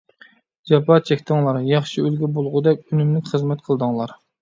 جاپا چەكتىڭلار. ياخشى ئۈلگە بولغۇدەك ئۈنۈملۈك خىزمەت قىلدىڭلار.